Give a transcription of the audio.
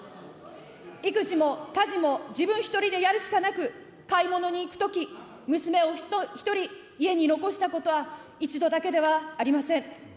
育児も家事も自分一人でやるしかなく、買い物に行くとき、娘を一人、家に残したことは一度だけではありません。